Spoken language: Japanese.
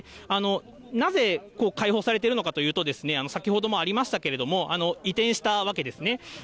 なぜ開放されているのかというと、先ほどもありましたけれども、移転したわけですね。